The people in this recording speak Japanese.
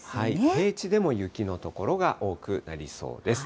平地でも雪の所が多くなりそうです。